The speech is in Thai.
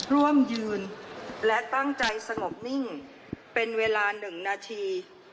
ร่วมยืนและตั้งใจสงบนิ่งเป็นเวลา๑นาที